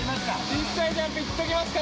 ◆ちっさいジャンプいっときますか。